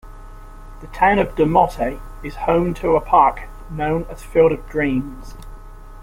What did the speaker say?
The town of DeMotte is home to a park known as Field of Dreams.